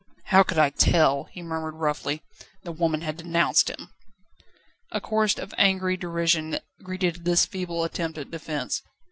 "How could I tell?" he murmured roughly, "the woman had denounced him." A chorus of angry derision greeted this feeble attempt at defence.